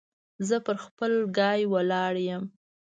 زه پر خپل ګای ولاړ يم.